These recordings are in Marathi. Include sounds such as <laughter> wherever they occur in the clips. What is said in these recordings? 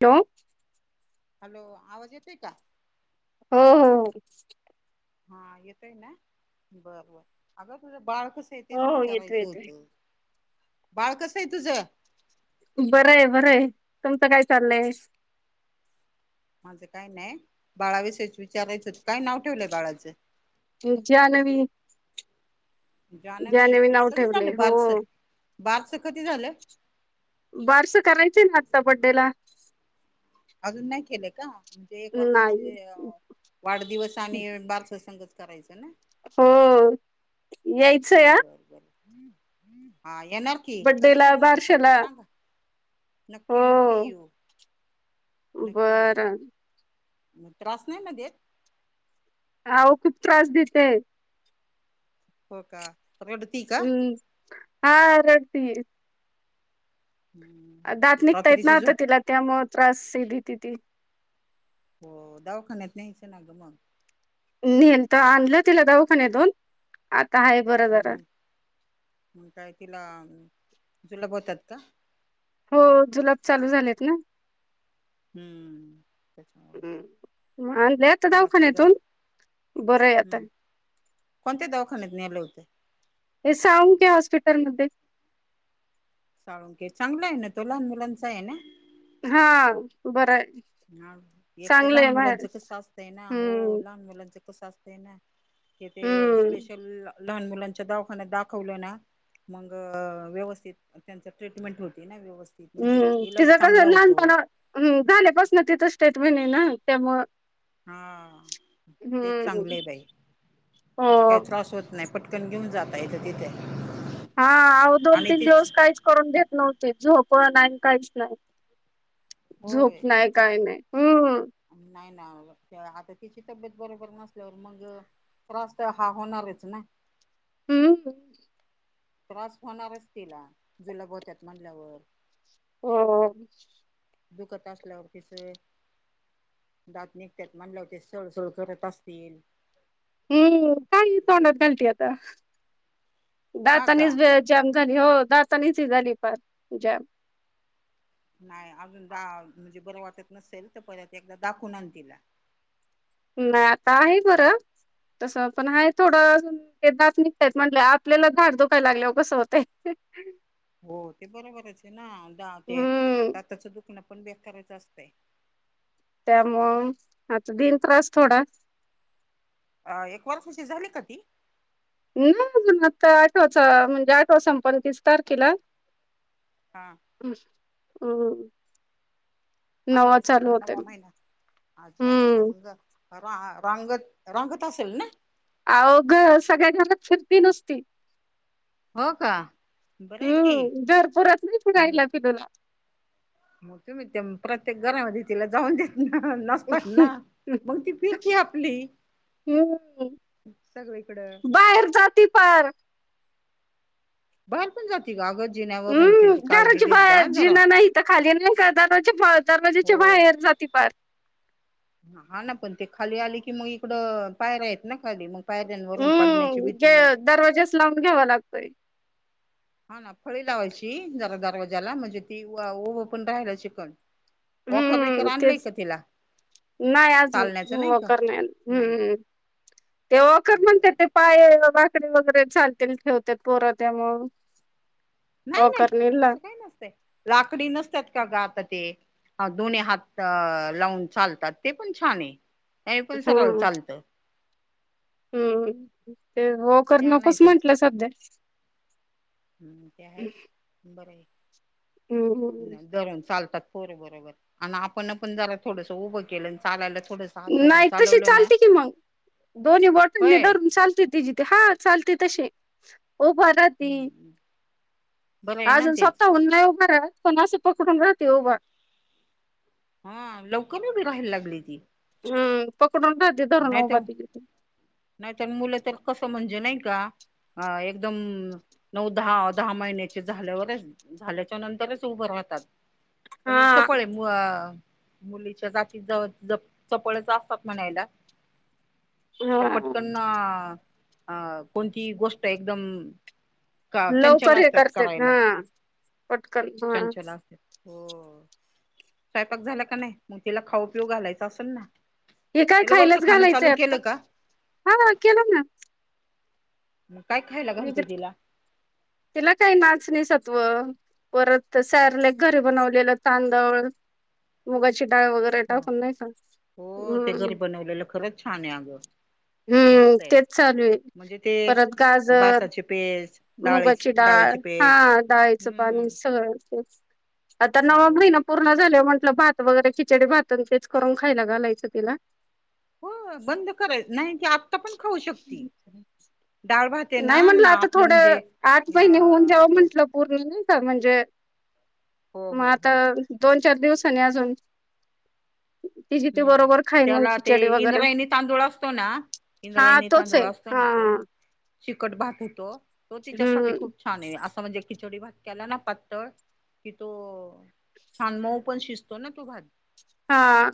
काय? हॅलो आवाज येतोय का? हो हो. हा येतय ना बर बर अग तुझं बाळ कसय तेच हो हो येतो विचारायचं येतोय. होतं बाळ कसंय तुझ बरंय बरंय तुमचं काय चाललंय. माझं काय नाही बाळाविषयीच विचारायचं होत काय नाव ठेवलंय बाळाचं जान्हवी. जान्हवी नाव कधी ठेवलय झालं हो. बारस बारस कधी झालं. बारस करायचंय ना आत्ता बड्डेला. अजुन नाय केले का? म्हणजे एक नाही वर्षाची वाढदिवस आणि बारस संगच करायच ना. हो यायचंय हा. बर बर हा येणार की कधी बड्डेला करणारये फक्त बारशाला सांगा. हो नक्की नक्की येऊ. बरं म त्रास नाय नं देत. आहो खूप त्रास देते. हो का रडती का हम्म हा रडती. दात हम्म निघतायेत ना रात्रीची आता झोप तिला त्यामुळ त्रास देती ती. हो दवाखान्यात न्हायचं ना गं मग नेलंत आणलं तिला दवाखाण्यातून आत मग मग काय तिला जुलाब होतात का? हो जुलाब चालू झालेत ना. हम्म त्याच्यामुलं हम्म दात निघा बरय आता हम्म कोणत्या दवाखान्यात नेले होते. हे साळुंखे हॉस्पिटल मध्ये साळुंखे चांगला आहे ना तो लहान मुलांचा आहे ना. हा बर हाय. ह एक तर लहान मुलांचं कसं असतंय ना हो हम्म लहान मुलांचं कसं असतय ना ते ते हम्म स्पेशल लहान मुलांच्या दवाखान्यात दाखवलं ना मंग व्यवस्थित त्यांच ट्रीटमेंट होती ना व्यवस् हम्म तिज कस लहानपणा झाल्या पास ना त्या तिथं स्टेटमेंट आहे ना त्यामुळ हा तेच चांगलं आहे बाई हो म्हणजे काही त्रास होत नाय. पटकन घेऊन जात येतं तिथ हा आहो दोन तीन दिवस काहीच करून देत नव्हती झोप पण आणि काहीच नाय झोप होय नाही काय नाय हा आता तिची तब्येत बरोबर नसल्यावर मग त्रास तर हा होणारच ना. हम्म त्रास होणारच तिला जुलाब होत्यात म्हणल्यावर. हो. दुखत असल्यावरतीसं दात निघत्यात म्हणलं की सळसळ करत असतील. हम्म, काही ही तोंडात घालती आता हा का दातानीच बे चं झाली हो दातानीच झाली फार जॅम नाही अजून द म्हणजे बरं वाटत नसेल तर परत एकदा दाखवून आण तिला. नाय आता आहे बरं. तसं पण हाय थोडं अजून ते दात निघतायत म्हंटलं आपल्याला धाड धुकाय लागल्या कसं होतेय. हो ते बरोबरच आहे ना दा ते हम्म दाताचा दुखणं पण बेक करायचं असतय. त्यामुळं आता दिन त्रास थोडा अ एक वर्षाची झाली का ती? <unintelligible> अजून आता आठवाचा म्हणजे आठवा संपण तीस तारखेला. हा हो. आठवा संपल नव्वा महिना अच्छा अच्छा हम्म मंग राहा रांगत रांगत असेल ना. अहो ग सगळ्यां जना फिरती नुस्ती. हो का? बरं आहे की हम्म जरपूरच नाही मग रायला फिलला मग तुम्ही ते प्रत्येक घरामध्ये तिला जाऊन देत नसत ना मग ती फिरती आपली हम्म सगळीकडं. बाहेर जाती पार बाहेर पण जाती का अगं जिण्यावरून हम्म तिची काळजी दरवाजे घेत जा बाहेर जरा जिना नाही तर खाली दरवाजे दरवाजेच्या हो. बाहेर जाते पार हा ना पण ते खाली आली कि मग इकडं पायऱ्यां हेत ना खाली मग पायऱ्यांवरून पडण्याची भीती हम्म दरवाजेच लावून घ्यावा लागतोय हा ना फळी लावायची जरा दरवाज्याला म्हणजे ती ओभं पण राहायला शिकण वखर बखर हम्म आणलय तेच का तिला नाही अजून चालण्याचं का? वॉकर नाही आणल हम्मम् ते वॉकर म्हणते ते नाही पाय चकरी वगैरे चालतील ठेवतात पोर त्या मग नाही नाही तस काही नसतय लाकडी नसतात का ग आता ते दोने हात अ लावून चालतात ते पण छान आहे हे पण सरळ हम्म चालत हम्म ते हो कर ते नकस आणायचं म्हंटलं सध्या हम्म ते आहे बरं आहे हम्म धरून चालतात होर बरोबर आणि आपण पण जरा थोडंसं उभं केलं चालायला थोडस हात धरून नाही तशी चालवलं ना चालते कि मग दोन्ही बोटांनी होय धरून चालते तिची ति हा चालते तशी उभ राहती हं, बरं आहे ना अजून तेच स्वतः हुन लई उभ राहती पण अस पकडून राहती उभ हा लवकर उभी राहायला लागली ती हम् पक नाहीतर नाहीतर मुलं तर कसं म्हणजे नाही का अ एकदम नऊ दहा दहा महिन्याचे झाल्यावरच झाल्याच्या नंतरच उभं राह पण हा इथ पळ आहे मुलीच्या जाती जवळ चपळच असतात म्हणायला त्या हा पटकनना अं कोणती गोष्ट एकदम का चंचल लवकर हे असतात करते हा करायला पटकन हा चंचल असतात हो स्वयंपाक झाला का नाही मग तिला खाऊ पिऊ घालायच असेल ना हे काय तिला वरचं खायलाच खाणं घालायचंय चालू आता केलं का हा केलं ना मग काय खायला मि घालते तर तिला तिला काही नाचणी स परत सॉरलेक घरी बनवलेलं तांदळा मुंगाची शिडाळ वगैरे हो टाकून नाही का हो ते घरी हम्म.. बनवलेलं खरंच छान आहे अगं हम्म मस्त आहे तेच चालू आहे म्हणजे ते परत गाजर भाताचे पेज मुगाची डाळीचे डाळ डाळीचे हा पेज डाळीचं पाणी हम्म सगळच तेच आता नववा हो. महिना पूर्ण झाले म्हण आप भात वगैरे खिचडी भात तेच करून खायला घालायचं तिला हो बंद करायच नाही आता पण खाऊ शकती डाळ भात आहे ना नाही म्हटलं ना आता आपलं म्हणजे थोडं आठ महिने होऊन अ दयाव तो म्हंटलं पूर्ण नाही का म्हणजे हो मग हो आता हो दोन चार दिवसांनी अजून तिची ती हम्म बरोबर खाईन मग त्याला ते खिचडी वगैरे इंद्रायणी तांदूळ असतो ना हा तोच ये हा तिकट भात होतो तो तिच्यासाठी हम्म खूप छान आहे असं म्हणजे खिचडी भात केला ना पातळ कि तो छान मऊ पण शिजतो ना तो भात हा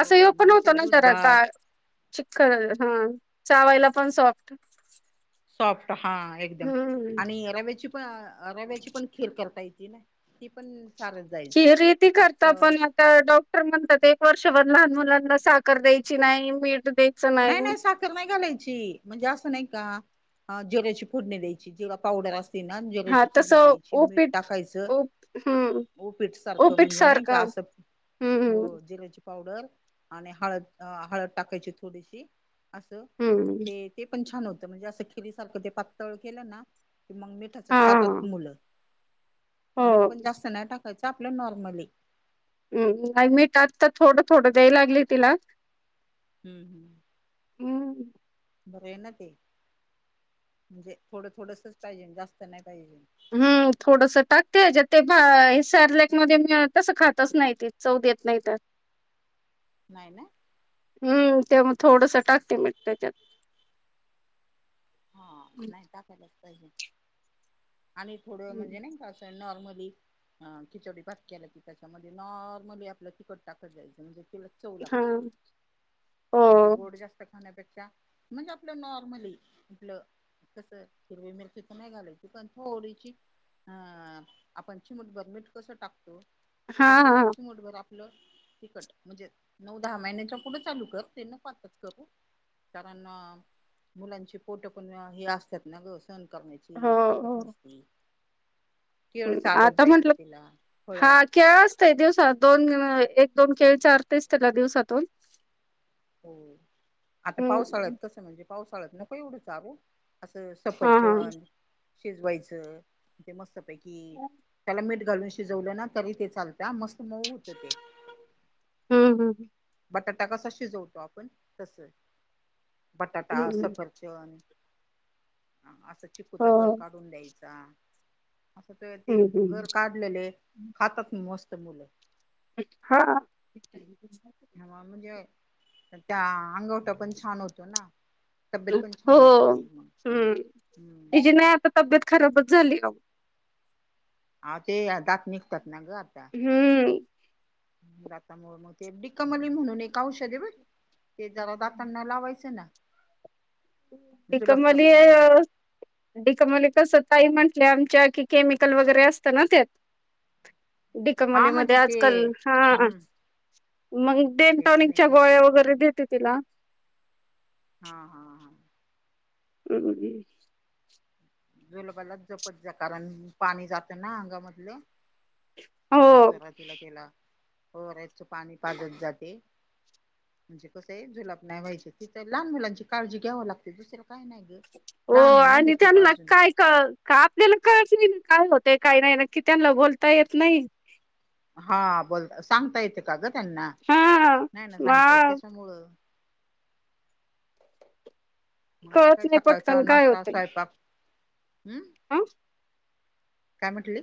असं यो पण मग ते होतो ना दूध जरा भात काय चिकख हा चावायला पण सॉफ्ट सॉफ्ट हा आ एकदम हम्म आणि रव्याची पण रव्याची पण खीर करता येती ना ती पण चालत जायचं खीर येती करता पातळ पण मग अ डॉक्टर म्हणतात एक वर्षभर लहान मुलांना साखर द्यायची नाही मीठ द्यायचं नाही. ची म्हणजे अस नाही का जिऱ्याची फोडणी द्यायची जिरा पावडर अस हां तसं ओ ओपिट ओप हां. उपीठ सारखं म्हणजे नाही का असं हम्म हो जिऱ्याची पावडर आणि हळद, हळद टाकायची थोडीशी असं हम्म ते ते पण छान होतं, म्हणजे असं खीरीसारखं ते पातळं केलं ना मग मिठाचा हा खातात की मुलं, हो मीठ पण जास्त नाय टाक तसं आपलं नॉर्मल हे. हम्म, नाही मीठ आता थोडं थोडं द्याय लागलेय तिला हम्म. हम्म बरे आहे ना ते, म्हणजे थोडं थोडसच पाहिजे जास्त नाय पाहिजे. हम् थोडस टाकते हच्यात ते बा सॅरलॅक मध्ये मी तसं खातच नाही ती चौ देत नाही त्यात नाही ना. हम्म ते मग थोडसं टाकते मीठ तेच्यात. हा नाही टाकायलाच पाहिजे आणि थोड हम्म. म्हणजे नाही का असं नॉर्मल ली आ खिचडी भात केला की, त्याच्यामध्ये नॉर्मली आपलं तिखट टाकत जायचं म्हणजे त्याला चव हा लागती, म्हणजे हो गोड जास्त खाण्या पेक्षा म्हणजे आपलं नॉर्मली आपलं कसं हिरवी मिरची पण नाही घालायची पण थोडीची हां आपण चिमुटभर मीठ कसं टाकतो हा तसं हा चिमुटभर आ पलं तिकट म्हणजे नऊ, दहा महिन्याच्या पुढ चालू कर ते नको आताच करू कारण अं मुलांची पोट पण हे असत्यात ना ग सहन हो करण्याची ताकद हो नसती. केळ हम्म, चारत आता जायचं म्हटलं तिला फळ हा खेळ असतोय दिवसात दोन म हाय एक, दोन केळं चार तेच त्याला दिवसातून हो आता पावसाळ्यात हम्म कसं म्हणजे पावसाळ्यात नको एवढी चारू असं हा हा सफरचंद शिजवायचं ते मस्त पैकी हम्म त्याला मीट घालून शिजवलं ना तरी ते चालतया मस्त मऊ होते ते. हम् हम्. बटाटा कसा शिजवतो आपण तसं बटाटा, हम्म सफरचंद. आसं हो चिकूचा गर काढून द्यायचा. त ते हम्म हम्म गर काढलेले खातात मस्त मुलं. <unintelligible> हा हा म म्हणजे त्या अंगवठ पण छान होतो ना. तब्येत पण हो छान होती ती मग त्यांनी हम्म हम्म तिजी ना आता तब्येत खराबच झाली ओ. आ ते दात निघतात ना ग आता. हम्म दाता मुळ म ते डीकमली म्हणून एक औषध हे ब ते जरा दातांना लावायचं ना. जुलाब डीकमली करत नाही मग अं डीकमली कसं त काही म्हंटले आमच्या कि केमिकल वगैरे असत ना त्यात हा डीकमलीमधे म्हणजे ते आजकाल हा. हम्म मग डेन ते पण आहे टॉनिकच्या ते पण गोळ्या आहे वगैरे देते तिला. हा, हा, हा, <unintelligible> जुलबालाच जपत जा कारण पाणी जातं ना अंगामधल हो तरातीला त्यालाऱ्याचच पाणी पाजत जाते. म्हणजे कसं आहे झुलाब नाही व्हायचे तिथ लहान मुलांची काळजी घ्याव लागते दुसर्या काय नाही ग हो लहान आहे ना आणि ती खुप त्यांना अजून. काय का आपल्याला कळच नाही काय होत काही नाही नक्की त्यांना बोलता येत नाही. हा बोलता सांगता येते का ग त्यांना हा नाही, ना सांगता येत मा त्याच्यामुळं मग आता कळत का नाही सकाळचा पटकन काय नाश्ता होतंय स्वयंपाक हम्म हं काय म्हटली.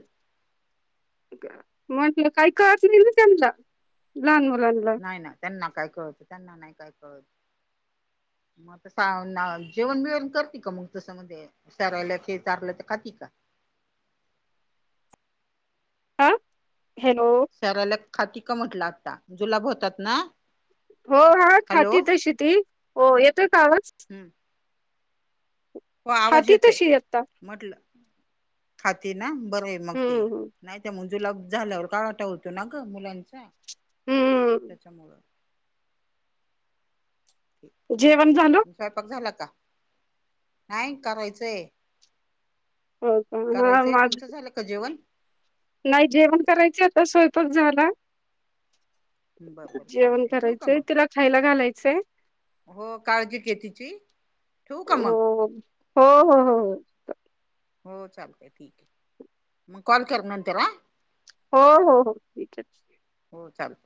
म्हटलं काही करच नाही ना त्यांना लहान मुलांना नाही ना त्यांना काय कळत त्यांना नाही काय कळत. मग आता जेवण बिवण करते का मग तस मध्ये सारेलॅक हे चारलं तर खाती का. <inaudible> हा हॅलो. सरायला खाती का म्हटलं आता जुलाभ होतात ना. हो हा हॅलो खाती तशी ती हो येतोय का आवाज. हम्म. हो आवाज खाती येतोय तशी आता म्हटलं. खाती ना बरंय मग ते हम्म नाही ते म्ह जुलाब झाल्यावर काळाटा होतो ना ग मुलांचा हम्म त्याच्यामुळं जेवण झालं स्वयंपाक झाला. नाही करायचंय. हो का हा करायचंय माझ तुमचं झालं का जेवण नाही जेवण करायच तस स्वयंपाक झाला. बरं बरं जेवण चालतंय ठेवू का करायचंय मग तिला खायला घालायचंय. हो काळजी घे तिची. ठेवू का मग हो, हो, हो ह. हो चालतय ठीक आहे मग कॉल कर नंतर ह. हो, हो, हो, ठीक, हो चालत.